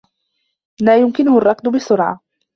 لا يمكنه الركض بسرعة.